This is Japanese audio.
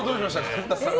神田さん。